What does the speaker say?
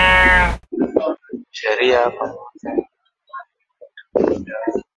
sheria pamoja na dini ziligeuka toy ya mtawala